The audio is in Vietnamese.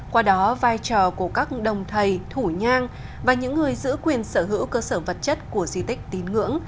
qua đó vai trò của các đồng thầy thủ nhang và những người giữ quyền sở hữu cơ sở vật chất của di tích tín ngưỡng